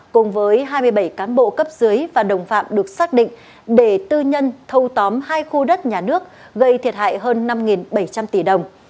cùng với hai mươi bảy cán bộ cấp dưới và đồng phạm được xác định để tư nhân thâu tóm hai khu đất nhà nước gây thiệt hại hơn năm bảy trăm linh tỷ đồng